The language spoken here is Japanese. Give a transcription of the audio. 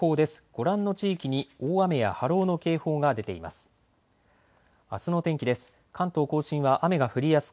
ご覧の地域に大雨や波浪の警報が出ています。